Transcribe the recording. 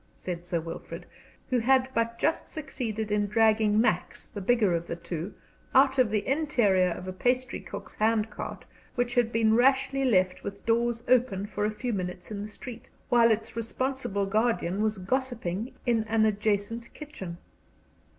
said Sir Wilfrid, who had but just succeeded in dragging Max, the bigger of the two, out of the interior of a pastry cook's hand cart which had been rashly left with doors open for a few minutes in the street, while its responsible guardian was gossiping in an adjacent kitchen.